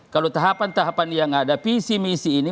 kalau tahapan tahapan yang ada visi misi ini